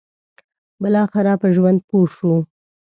بالاخره په ژوند پوه شو.